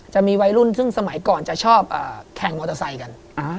จะมีวัยรุ่นซึ่งสมัยก่อนจะชอบแข่งมอเตอร์ไซค์กัน